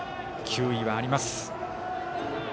球威はあります。